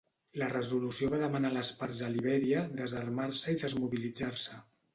La resolució va demanar a les parts a Libèria desarmar-se i desmobilitzar-se.